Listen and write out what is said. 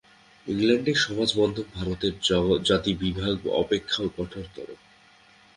ইংলণ্ডের সমাজবন্ধন ভারতের জাতিবিভাগ অপেক্ষাও কঠোরতর।